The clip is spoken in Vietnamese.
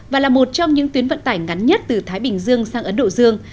và là một trong những tuyến vận tải ngắn nhất từ thái bình dương sang ấn độ dương